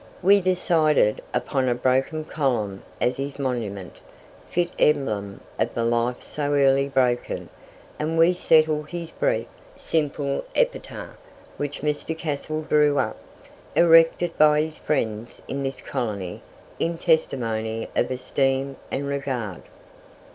We decided upon a broken column as his monument fit emblem of the life so early broken and we settled his brief, simple epitaph, which Mr. Cassell drew up: "Erected by his friends in this colony in testimony of esteem and regard."